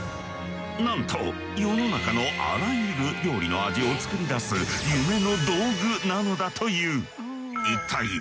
なんと世の中のあらゆる料理の味を作り出す夢の道具なのだという。